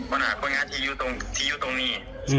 ผ้าน่าคนงานที่อยู่ตรงนี้